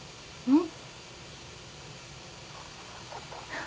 うん？